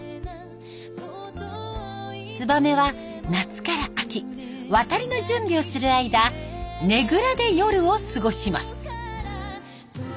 ツバメは夏から秋渡りの準備をする間ねぐらで夜を過ごします。